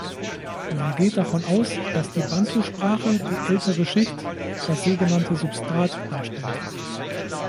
Man geht davon aus, dass die Bantusprache die ältere Schicht, das sogenannte Substrat, darstellt.